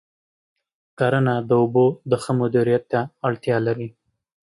کرنه د اوبو د ښه مدیریت ته اړتیا لري.